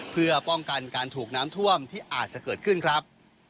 เพื่อป้องกันการถูกน้ำท่วมที่อาจจะเกิดขึ้นครับ